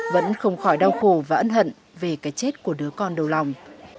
vẫn không khỏi đau khổ và ân hận về cái chết của đứa con đầu lòng